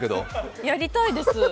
えっ、やりたいです。